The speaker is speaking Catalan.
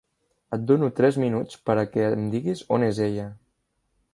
Et dono tres minuts per a què em diguis on és ella.